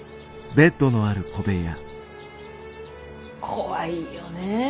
怖いよねえ